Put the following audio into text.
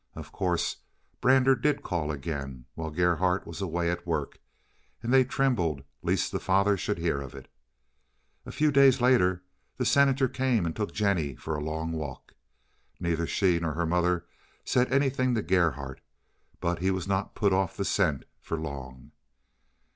Of course Brander did call again, while Gerhardt was away at work, and they trembled lest the father should hear of it. A few days later the Senator came and took Jennie for a long walk. Neither she nor her mother said anything to Gerhardt. But he was not to be put off the scent for long.